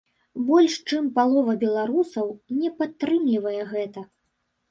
Больш чым палова беларусаў не падтрымлівае гэта.